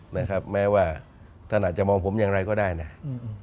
นะครับแม้ว่าท่านอาจจะมองผมอย่างไรก็ได้นะอืม